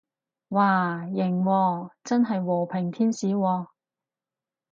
嘩，型喎，真係和平天使喎